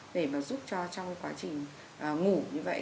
để mà giúp cho trong quá trình ngủ như vậy